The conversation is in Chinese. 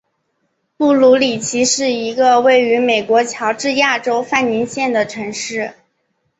布卢里奇是一个位于美国乔治亚州范宁县的城市。